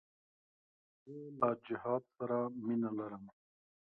زه له جهاد سره مینه لرم.